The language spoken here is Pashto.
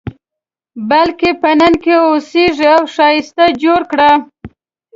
بلکې په نن کې واوسېږه او ښایسته یې جوړ کړه.